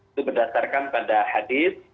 itu berdasarkan pada hadis